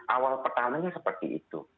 awal pertamanya seperti itu